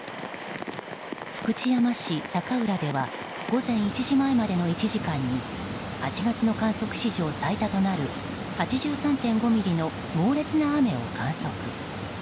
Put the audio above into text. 福知山市坂浦では午前１時前までの１時間に８月の観測史上最多となる８３．５ミリの猛烈な雨を観測。